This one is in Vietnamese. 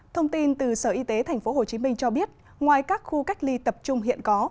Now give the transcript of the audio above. thông tin từ sở y tế tp hcm cho biết ngoài các khu cách ly tập trung hiện có